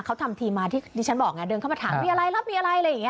เขาทำทีมาที่ที่ฉันบอกเข้ามาถามว่ามีอะไรเรามีอะไร